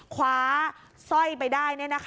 คว้าสร้อยไปได้